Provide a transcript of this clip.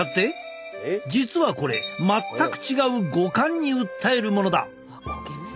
実はこれ全く違う五感に訴えるものだ。